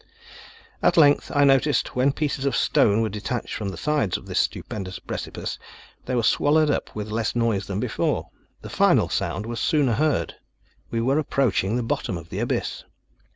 At length, I noticed that when pieces of stone were detached from the sides of this stupendous precipice, they were swallowed up with less noise than before. The final sound was sooner heard. We were approaching the bottom of the abyss!